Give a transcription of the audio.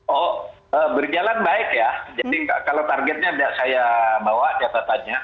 oh berjalan baik ya jadi kalau targetnya saya bawa catatannya